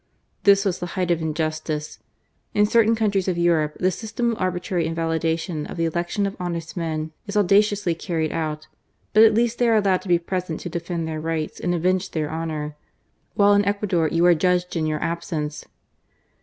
This was, the height of injustice. In certain countries of Europe, the system of arbitrary invali dation of the election of honest men is audaciously carried out; but at least they are allowed to be* present to defend their rights and avenge their honour, while in Ecuador you are judged in your absence.